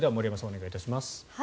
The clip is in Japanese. お願いいたします。